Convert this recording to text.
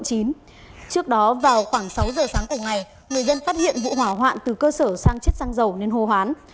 trước đó vào khoảng sáu giờ sáng của ngày người dân phát hiện vụ hỏa hoạn từ cơ sở sang chiết răng dầu nên hồ hoán